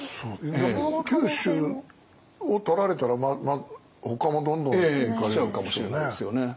九州をとられたらほかもどんどん。来ちゃうかもしれないですよね。